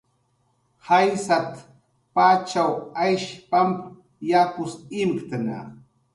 "Jaysat"" pachaw Aysh pamp yapus imktna"